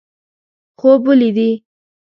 خوب ولیدي.